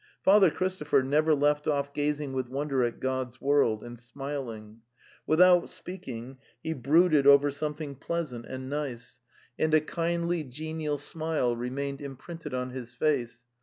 Father Christopher never left off gazing with wonder at God's world, and smiling. Without speaking, he brooded over something pleasant and nice, and a 170 The Tales of Chekhov kindly, genial smile remained imprinted on his face.